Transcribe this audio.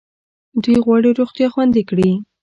دوی غواړي روغتیا خوندي کړي.